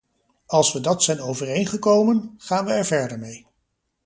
Als we dat zijn overeengekomen, gaan we er verder mee.